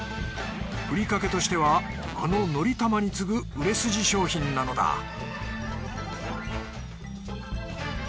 ふりかけとしてはあののりたまに次ぐ売れ筋商品なのだ赤じ